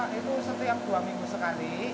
itu setiap dua minggu sekali